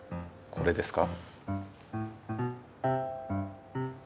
これですか？